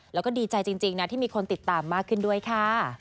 แล้วก็ดีใจจริงนะที่มีคนติดตามมากขึ้นด้วยค่ะ